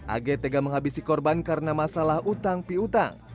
ag tega menghabisi korban karena masalah utang piutang